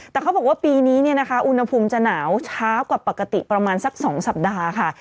แต่เขาบอกว่าปีนี้เนี่ยนะคะอุณหภูมิจะหนาวช้ากว่าปกติประมาณสัก๒สัปดาห์ค่ะ